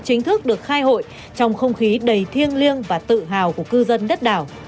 chính thức được khai hội trong không khí đầy thiêng liêng và tự hào của cư dân đất đảo